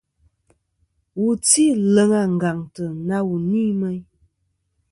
Wu tî leŋ àngàŋtɨ na wù ni meyn.